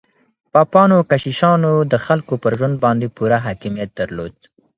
پاپانو او کشيشانو د خلګو پر ژوند باندې پوره حاکميت درلود.